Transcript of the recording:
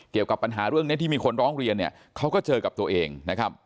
เกี่ยวกับปัญหาเรื่องนี้ที่มีคนร้องเรียนเนี่ยเขาก็เจอกับตัวเองนะครับ